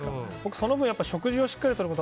その分、食事をしっかりとること